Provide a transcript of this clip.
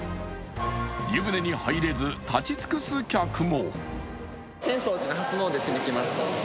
湯船に入れず立ち尽くす客も。